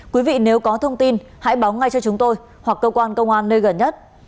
quý vị nếu có thông tin hãy báo ngay cho chúng tôi hoặc cơ quan công an nơi gần nhất